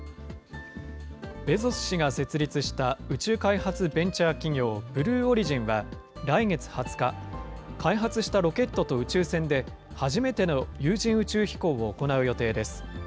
ベゾス氏が設立した宇宙開発ベンチャー企業、ブルーオリジンは、来月２０日、開発したロケットと宇宙船で、初めての有人宇宙飛行を行う予定です。